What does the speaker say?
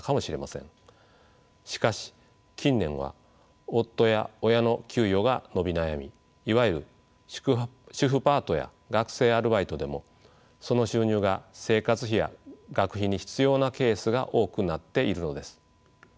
しかし近年は夫や親の給与が伸び悩みいわゆる主婦パートや学生アルバイトでもその収入が生活費や学費に必要なケースが多くなっているのです。